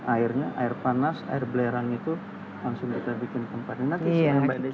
airnya air panas air belerang itu langsung kita bikin tempat